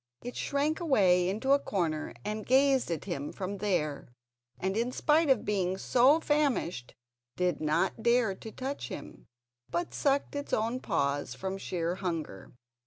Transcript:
It shrank away into a corner and gazed at him from there, and, in spite of being so famished, did not dare to touch him, but sucked its own paws from sheer hunger.